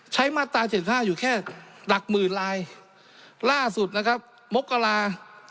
มาตรา๗๕อยู่แค่หลักหมื่นลายล่าสุดนะครับมกรา